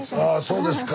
そうですか。